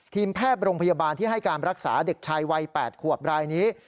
ทีมแพทย์โรงพยาบาลที่ให้การรักษาเด็กชายวัย๘ขวบรายนี้